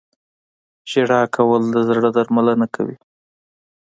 • ژړا کول د زړه درملنه کوي.